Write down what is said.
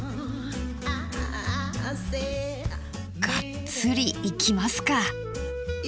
がっつりいきますか。